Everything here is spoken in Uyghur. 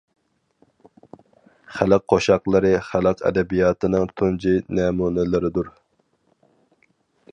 خەلق قوشاقلىرى خەلق ئەدەبىياتىنىڭ تۇنجى نەمۇنىلىرىدۇر.